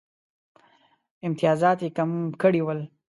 امتیازات یې کم کړي ول.